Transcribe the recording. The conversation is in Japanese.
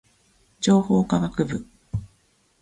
情報科学部